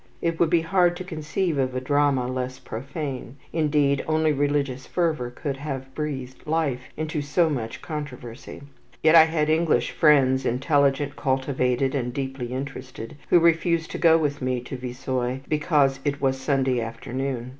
It would be hard to conceive of a drama less profane; indeed, only religious fervour could have breathed life into so much controversy; yet I had English friends, intelligent, cultivated, and deeply interested, who refused to go with me to Vissoye because it was Sunday afternoon.